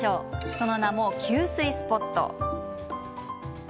その名も給水スポット。